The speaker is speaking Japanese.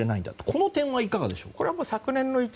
この点はいかがでしょう？